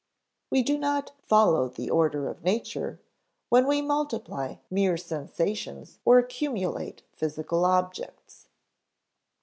We do not "follow the order of nature" when we multiply mere sensations or accumulate physical objects.